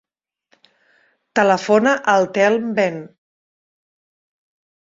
Telefona al Telm Ben.